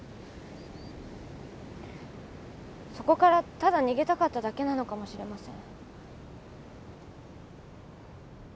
そこからただ逃げたかっただけなのかもしれません。